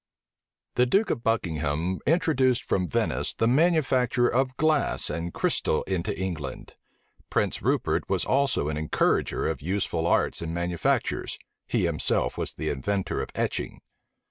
The duke of Buckingham introduced from Venice the manufacture of glass and crystal into England. Prince Rupert was also an encourager of useful arts and manufactures: he himself was the inventor of etching.